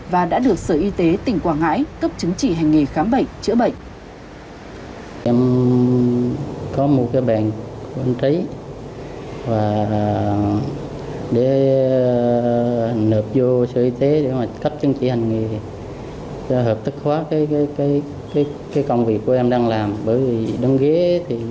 và đã được sở y tế tỉnh quảng ngãi cấp chứng chỉ hành nghề khám bệnh chữa bệnh